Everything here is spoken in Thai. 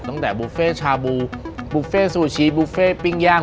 ตั้งแต่บุฟเฟ่ชาบูบุฟเฟ่ซูชิบุฟเฟ่ปิ้งย่าง